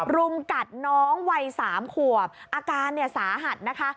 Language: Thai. รุมกัดน้องวัย๓ขวบอาการเนี่ยสาหัสนะคะ